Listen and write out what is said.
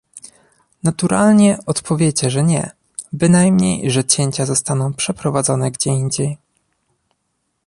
Naturalnie odpowiecie, że nie, bynajmniej, że cięcia zostaną przeprowadzone gdzie indziej